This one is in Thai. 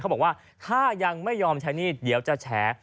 บอกว่าถ้ายังไม่ยอมใช้หนี้เดี๋ยวจะแฉ